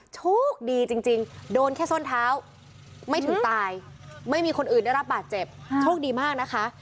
โชคดีจริงโดนแค่ส้นเท้าไม่ถึงตายไม่มีคนอื่นได้รับบาดเจ็บโชคดีมากนะคะ